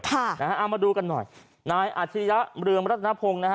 พานะฮะอ่ามาดูกันหน่อยนายอัชริยะเรืองรัฐนาภงนะฮะ